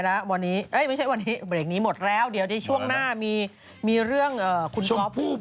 วันนี้ไม่ใช่วันนี้หมดแล้วเดี๋ยวช่วงหน้ามีเรื่องคุณครอบ